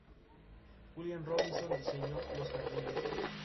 Fue un escritor, historiador y político mexicano.